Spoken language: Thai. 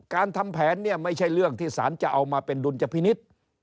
การทำแผนเนี่ยไม่ใช่เรื่องที่สารจะเอามาเป็นดุลยพินิษฐ์